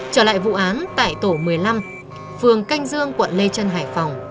trở lại vụ án tại tổ một mươi năm phường canh dương quận lê trân hải phòng